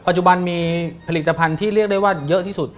จุบันมีผลิตภัณฑ์ที่เรียกได้ว่าเยอะที่สุด